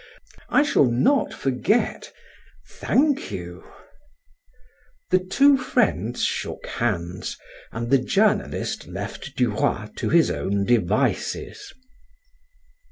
"I shall not forget. Thank you." The friends shook hands and the journalist left Duroy to his own devices.